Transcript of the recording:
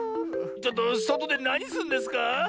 ちょっとそとでなにすんですか？